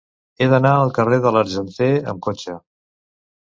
He d'anar al carrer de l'Argenter amb cotxe.